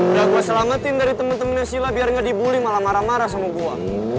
udah gue selamatin dari temen temennya sila biar gak dibully malah marah marah sama gue